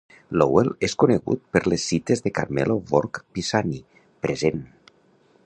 Lowell és conegut per les cites de Carmelo Borg Pisani, present!